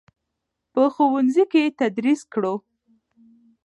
په ښوونځیو کې یې تدریس کړو.